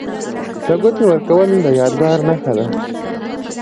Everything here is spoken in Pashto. د ګوتې ورکول د یادګار نښه ده.